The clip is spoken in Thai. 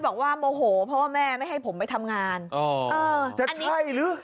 บอกว่าโมโหเพราะว่าแม่ไม่ให้ผมไปทำงานอ๋อเออจะใช่หรือ